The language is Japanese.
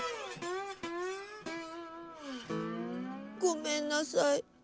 ごめんなさい。